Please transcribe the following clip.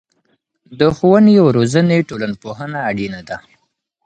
د ښوونې او روزنې ټولنپوهنه اړينه ده.